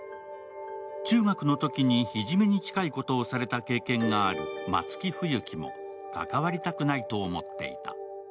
中学のときに、いじめに近いことをされた経験がある松木冬樹も関わりたくないと思っていた。